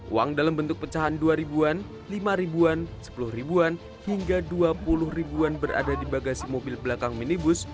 uang dalam bentuk pecahan dua ribu an lima ribuan sepuluh ribuan hingga dua puluh ribuan berada di bagasi mobil belakang minibus